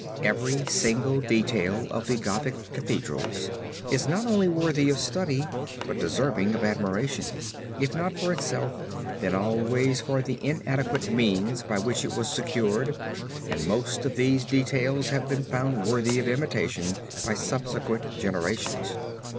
Every single detail of the Gothic Cathedrals is not only worthy of study but deserving of admiration, if not for itself, then always for the inadequate means by which it was secured, and most of these details have been found worthy of imitation by subsequent generations.